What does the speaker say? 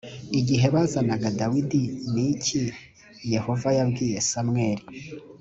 igihe bazanaga dawidi ni iki yehova yabwiye samweli